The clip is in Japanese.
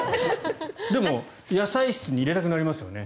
でも、野菜室に入れたくなりますよね。